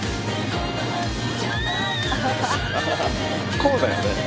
こうだよね？